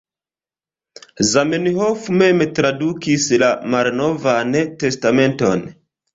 Zamenhof mem tradukis la Malnovan Testamenton.